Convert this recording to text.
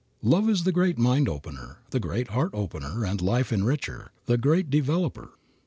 Love is the great mind opener, the great heart opener and life enricher, the great developer.